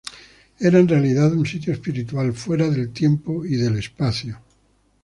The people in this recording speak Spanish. Era en realidad un sitio espiritual, fuera del tiempo y del espacio.